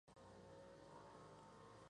Los animales vivos se mantienen en el sitio.